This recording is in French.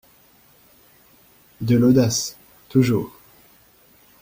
De l'audace, toujours